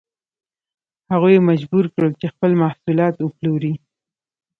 هغوی یې مجبور کړل چې خپل محصولات وپلوري.